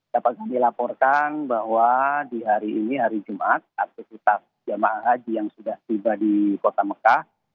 dapat kami laporkan bahwa di hari ini hari jumat aktivitas jemaah haji yang sudah tiba di kota mekah